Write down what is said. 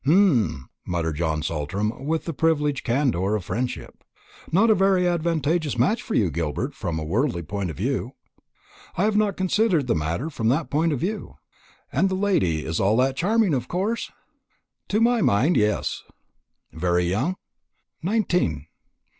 "Humph!" muttered John Saltram with the privileged candour of friendship; "not a very advantageous match for you, Gilbert, from a worldly point of view." "I have not considered the matter from that point of view." "And the lady is all that is charming, of course?" "To my mind, yes." "Very young?" "Nineteen."